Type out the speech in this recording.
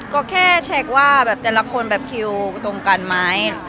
ก็แค่เช็คว่าแบบแต่ละคนแบบคิวตรงกันไหม